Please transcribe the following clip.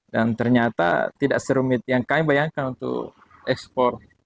ternyata tidak serumit yang kami bayangkan untuk ekspor